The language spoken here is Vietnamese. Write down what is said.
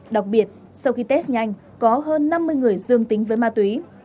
đặc biệt sau khi test nhanh có hơn năm mươi người dương tính với ma túy